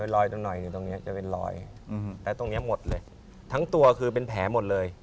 ตรงหน่อยอยู่ตรงนี้จะเป็นรอยแล้วตรงนี้หมดเลยทั้งตัวคือเป็นแผลหมดเลย